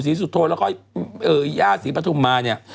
สีสุโทนแล้วก็เหย้าสีปทุมมาเนี่ย